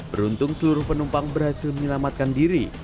beruntung seluruh penumpang berhasil menyelamatkan diri